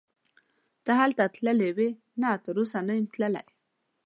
ته هلته تللی وې؟ نه تراوسه نه یم تللی.